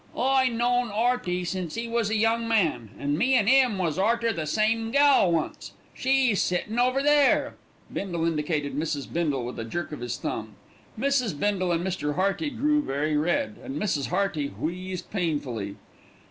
I known 'Earty since 'e was a young man, and me an' 'im was arter the same gal once. She's sittin' over there." Bindle indicated Mrs. Bindle with a jerk of his thumb. Mrs. Bindle and Mr. Hearty grew very red, and Mrs. Hearty wheezed painfully.